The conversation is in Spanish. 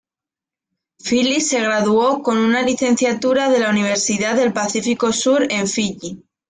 Fili se graduó con una licenciatura de la Universidad del Pacífico Sur en Fiyi.